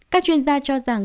các chuyên gia cho rằng